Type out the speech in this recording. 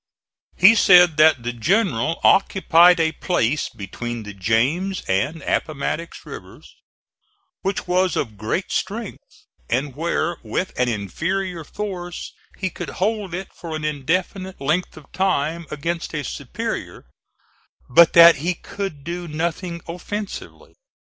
He said that the general occupied a place between the James and Appomattox rivers which was of great strength, and where with an inferior force he could hold it for an indefinite length of time against a superior; but that he could do nothing offensively.